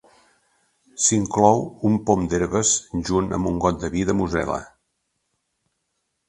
S'inclou un pom d'herbes junt amb un got de vi de Mosel·la.